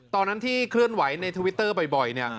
ตอนนั้นที่เคลื่อนไหวในทวิตเตอร์บ่อยเนี่ย